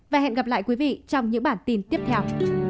và hẹn gặp lại quý vị trong những bản tin tiếp theo